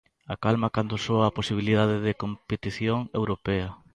A calma cando soa a posibilidade de competición europea.